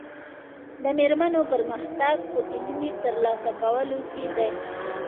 د مېرمنو پرمختګ په علمي ترلاسه کولو کې دی.